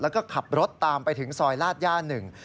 แล้วก็ขับรถตามไปถึงซอยลาดย่าหนึ่ง